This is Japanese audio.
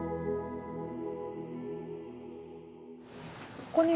ここにも。